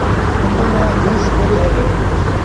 آݩب مآݩ جُوس با ٺهي دو۔